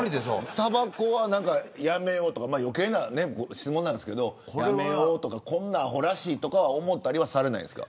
たばこをやめようとか余計な質問なんですがこんな、あほらしいとか思ったりされないんですか。